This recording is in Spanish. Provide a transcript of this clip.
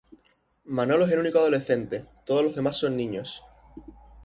Manolo es el único adolescente, todos los demás son niños.